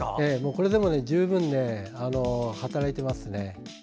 これでも十分働いています。